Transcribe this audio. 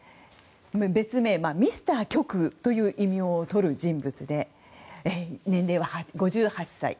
別名、ミスター極右という異名をとる人物で年齢は５８歳。